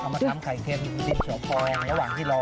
อ๋อมาทำไข่เค็มดินสะพองระหว่างที่รอ